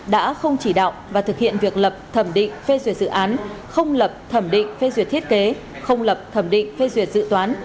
đã không chỉ đạo và thực hiện việc lập thẩm định phê duyệt dự án không lập thẩm định phê duyệt thiết kế không lập thẩm định phê duyệt dự toán